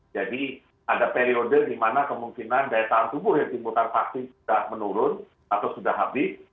jadi ada periode di mana kemungkinan daya tahan tubuh yang dimutang vaksin sudah menurun atau sudah habis